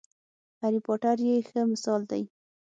هرې پاټر یې ښه مثال دی.